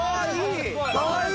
いい。